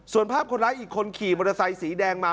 ส่วนภาพคนร้ายอีกคนขี่มอเตอร์ไซค์สีแดงมา